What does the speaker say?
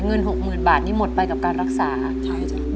เงิน๖๐๐๐๐บาทนี่หมดไปกับการรักษาใช่ครับ